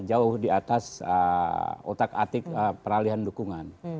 jauh di atas otak atik peralihan dukungan